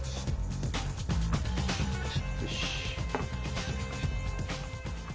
よし。